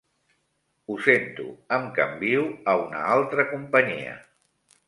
Ho sento, em canvio a una altra companyia.